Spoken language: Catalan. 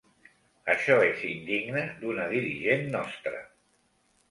Això és indigne d'una dirigent nostra.